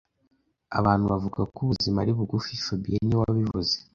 Abantu bavuga ko ubuzima ari bugufi fabien niwe wabivuze